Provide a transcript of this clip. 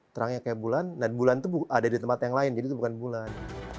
terangnya kayak bulan dan bulan itu ada di tempat yang lain jadi itu bukan bulan